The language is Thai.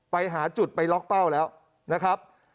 ไปหาจุดไปล็อกเป้าแล้วนะครับ